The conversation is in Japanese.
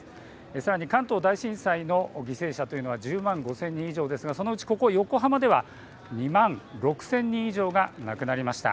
さらに関東大震災の犠牲者というのは１０万５０００人以上ですが、そのうちここ横浜では２万６０００人以上が亡くなりました。